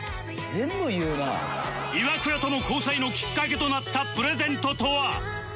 イワクラとの交際のきっかけとなったプレゼントとは？